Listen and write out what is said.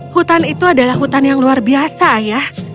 hutan itu adalah hutan yang luar biasa ya